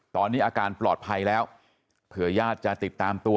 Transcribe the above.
ตอนนี้อาการปลอดภัยแล้วเผื่อญาติจะติดตามตัว